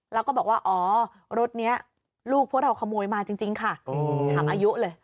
แล้วก็บอกว่าอ๋อรถนี้ลูกพวกเราขโมยมาจริงค่ะถามอายุเลย